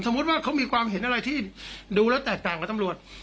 ว่าเขามีความเห็นอะไรที่ดูแล้วแตกต่างกับตำรวจ